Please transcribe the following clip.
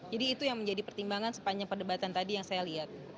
jadi itu yang menjadi pertimbangan sepanjang perdebatan tadi yang saya lihat